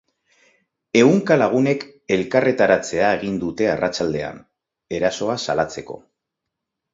Ehunka lagunek elkarretaratzea egin dute arratsaldean, erasoa salatzeko.